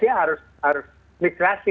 sehingga dia harus migrasi